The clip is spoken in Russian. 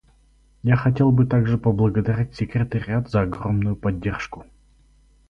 Я хотел бы также поблагодарить Секретариат за огромную поддержку.